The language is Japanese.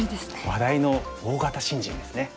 話題の大型新人ですね。